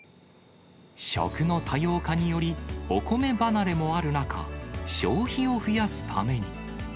食の多様化により、お米離れもある中、消費を増やすために。